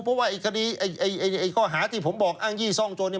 เพราะว่าไอ้คดีไอ้ข้อหาที่ผมบอกอ้างยี่ซ่องโจรเนี่ย